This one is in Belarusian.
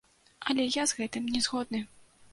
Але я з гэтым не згодны.